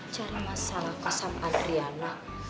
cara masalah kosan adriana